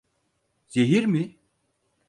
Zehir mi?